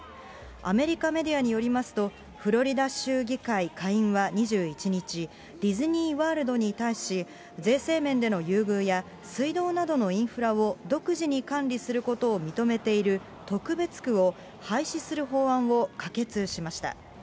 アメリカメディアによりますと、フロリダ州議会下院は２１日、ディズニーワールドに対し、税制面での優遇や、水道などのインフラを独自に管理することを認めている特別区を、廃止する法案を可決しました。